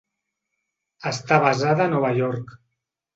Està basada a Nova York.